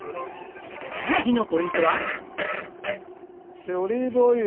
次のポイントは？